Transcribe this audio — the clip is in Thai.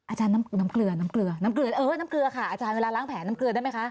น้ำเกลือน้ำเกลือน้ำเกลือเออน้ำเกลือค่ะอาจารย์เวลาล้างแผลน้ำเกลือได้ไหมคะ